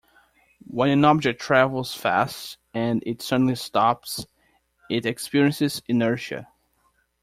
When an object travels fast and it suddenly stops it experiences inertia.